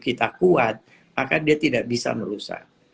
dia yang untung di seberang tempat